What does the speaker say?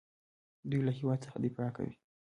دوی له هیواد څخه دفاع کوي.